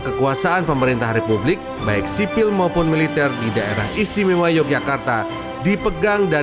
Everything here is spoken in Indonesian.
kekuasaan pemerintah republik baik sipil maupun militer di daerah istimewa yogyakarta dipegang dan